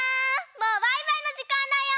もうバイバイのじかんだよ！